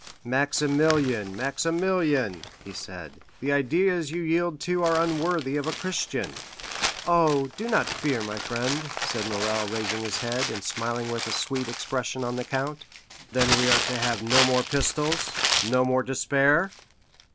"Maximilian, Maximilian," he said, "the ideas you yield to are unworthy of a Christian." "Oh, do not fear, my friend," said Morrel, raising his head, and smiling with a sweet expression on the count; "I shall no longer attempt my life." "Then we are to have no more pistols—no more despair?"